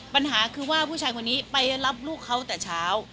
ปัญหาคือว่าผู้ชายคนนี้ไปรับลูกเขาแต่เช้า